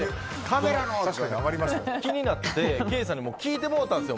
気になってケイさんに聞いてもうたんですよ。